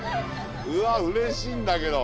うわうれしいんだけど。